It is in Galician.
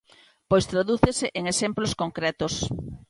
Pois tradúcese en exemplos concretos.